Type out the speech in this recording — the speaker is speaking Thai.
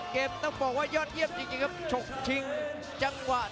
เกมต้องบอกว่ายอดเยี่ยมจริงครับ